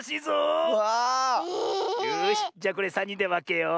よしじゃこれさんにんでわけよう。